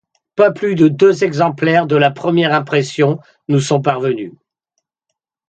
Pas plus de deux exemplaires de la première impression nous sont parvenus.